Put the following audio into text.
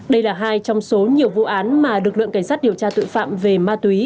đây là hai trong số nhiều vụ án mà lực lượng cảnh sát điều tra tội phạm về ma túy